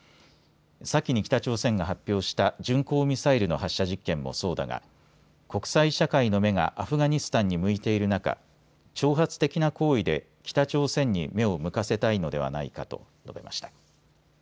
先に北朝鮮が発表した巡航ミサイルの発射実験もそうだが国際社会の目がアフガニスタンに向いている中、挑発的な行為で北朝鮮に目を向かせたいのではないかと述べました。